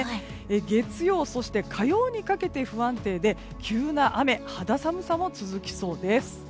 月曜日、火曜日にかけて不安定で急な雨、肌寒さも続きそうです。